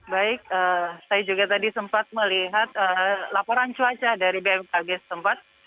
baik saya juga tadi sempat melihat laporan cuaca dari bmkg tempat